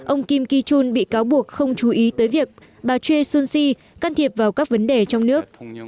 ông kim chi chun bị cáo buộc không chú ý tới việc bà choi soon sin can thiệp vào các vấn đề trong nước